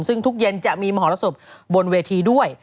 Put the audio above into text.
ซึ่งทุกเย็นจะมีมหรสบบนเวทีด้วย